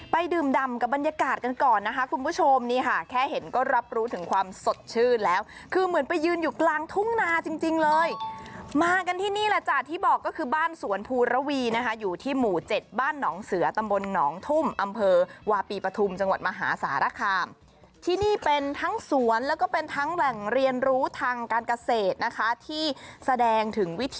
ดื่มดำกับบรรยากาศกันก่อนนะคะคุณผู้ชมนี่ค่ะแค่เห็นก็รับรู้ถึงความสดชื่นแล้วคือเหมือนไปยืนอยู่กลางทุ่งนาจริงจริงเลยมากันที่นี่แหละจ้ะที่บอกก็คือบ้านสวนภูระวีนะคะอยู่ที่หมู่เจ็ดบ้านหนองเสือตำบลหนองทุ่มอำเภอวาปีปฐุมจังหวัดมหาสารคามที่นี่เป็นทั้งสวนแล้วก็เป็นทั้งแหล่งเรียนรู้ทางการเกษตรนะคะที่แสดงถึงวิ